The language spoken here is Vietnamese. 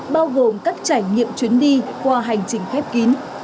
bao gồm các trải nghiệm chuyến đi qua hành trình khép kín